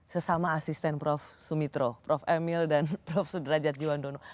sesama asisten prof sumitro prof emil dan prof sudrajat juwandono